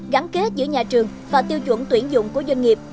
gắn kết giữa nhà trường và tiêu chuẩn tuyển dụng của doanh nghiệp